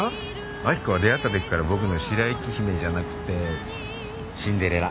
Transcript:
明子は出会ったときから僕の白雪姫じゃなくてシンデレラ。